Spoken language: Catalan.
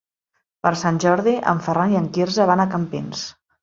Per Sant Jordi en Ferran i en Quirze van a Campins.